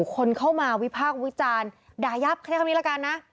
คนเข้ามาวิภาควิจารณ์ด่ายับแค่ครั้งนี้ละกันนะ